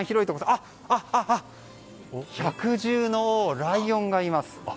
あ、百獣の王ライオンがいます。